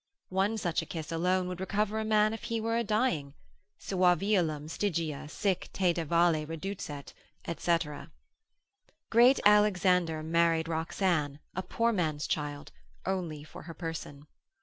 One such a kiss alone would recover a man if he were a dying, Suaviolum Stygia sic te de valle reducet, &c. Great Alexander married Roxanne, a poor man's child, only for her person.